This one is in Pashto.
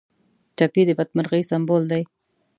ټپي د بدمرغۍ سمبول دی.